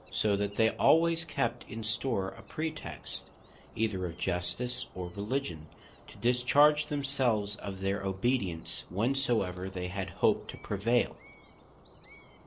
So that they alwaies kept in store a pretext, either of Justice, or Religion, to discharge themselves of their obedience, whensoever they had hope to prevaile.